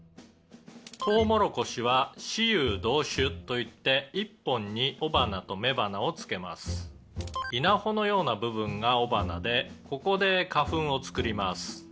「とうもろこしは雌雄同株といって１本に雄花と雌花をつけます」「稲穂のような部分が雄花でここで花粉を作ります」